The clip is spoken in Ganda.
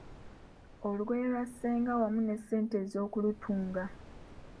Olugoye lwa Ssenga wamu n’essente ez’okulutunga.